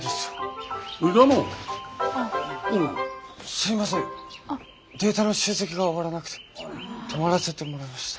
すいませんデータの集積が終わらなくて泊まらせてもらいました。